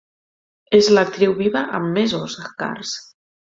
És l'actriu viva amb més Oscars.